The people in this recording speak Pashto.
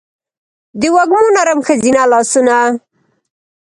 دوږمو نرم ښځینه لا سونه